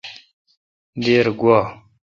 دیر گوا۔